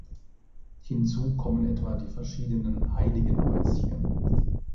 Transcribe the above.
Hinzu kommen etwa die verschiedenen Heiligenhäuschen.